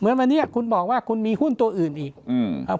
เหมือนวันนี้คุณบอกว่าคุณมีหุ้นตัวอื่นอีกอืม